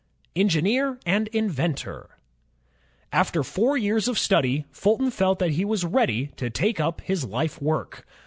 Engineer and Inventor After four years of study, Fulton felt that he was ready to take up his life work.